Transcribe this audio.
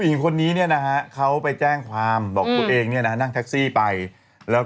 เธอนี้เนี้ยนะฮะเขาไปแจ้งความบอกผมเองเนี้ยนะตู้ชายเข้ามาแล้ว